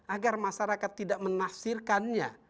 agar masyarakat tidak menafsirkannya